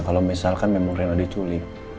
kalau misalkan memang reno diculik